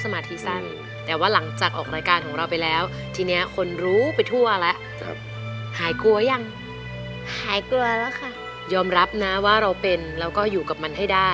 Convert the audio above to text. มันทำให้หนูกลัวมากเลยค่ะ